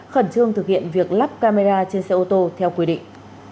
khẩn trương thực hiện việc lắp camera trên xe ô tô theo quy định